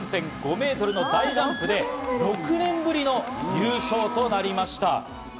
これが１３４．５メートルの大ジャンプで６年ぶりの優勝となりました。